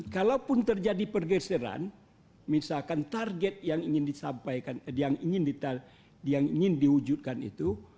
kalaupun terjadi pergeseran misalkan target yang ingin diwujudkan itu